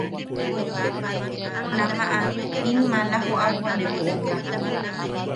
Junamaʼa in maala joʼapo ne boʼoka.